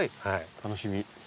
楽しみ。